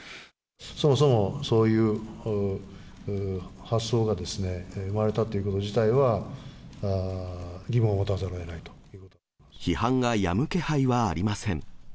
そもそもそういう発想が生まれたということ自体は、批判がやむ気配はありません。